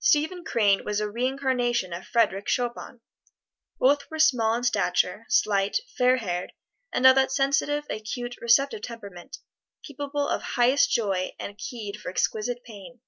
Stephen Crane was a reincarnation of Frederic Chopin. Both were small in stature, slight, fair haired, and of that sensitive, acute, receptive temperament capable of highest joy and keyed for exquisite pain.